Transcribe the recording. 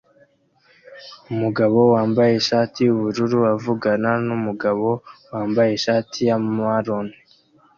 Umugabo wambaye ishati yubururu avugana numugabo wambaye ishati ya marone